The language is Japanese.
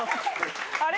あれ？